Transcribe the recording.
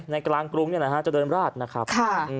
กลางกรุงจะเดินราดนะครับ